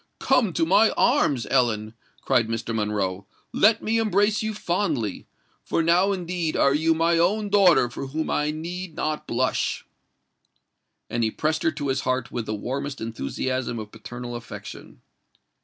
"Come to my arms, Ellen!" cried Mr. Monroe: "let me embrace you fondly—for now indeed are you my own daughter for whom I need not blush!" And he pressed her to his heart with the warmest enthusiasm of paternal affection.